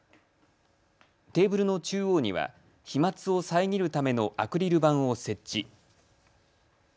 テーブルの中央には飛まつを遮るためのアクリル板を設置。